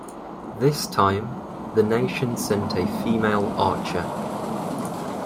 This time, the nation sent a female archer.